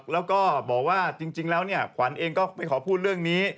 แล้วก็บอกว่าจริงแล้วเนี่ยขวัญเองก็ไม่ขอพูดเรื่องนี้